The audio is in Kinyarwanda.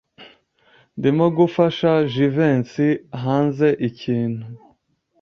Ndimo gufasha Jivency hanze ikintu.